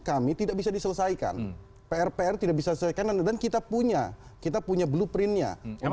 kami tidak bisa diselesaikan pr pr tidak bisa selesaikan dan kita punya kita punya blueprintnya